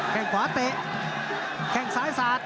แค่ขวาเตะแค่สายขวาทุกตุ่ม